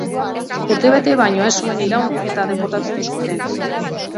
Urtebete baino ez zuen iraun eta deportatu zuten.